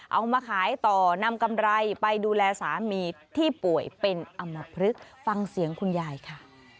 เอามาขายต่อนำกำไรไปดูแลสามีที่ป่วยเป็นอำมพลึกฟังเสียงคุณยายค่ะ